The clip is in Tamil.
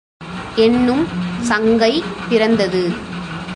என்னும் சங்கை பிறந்தது.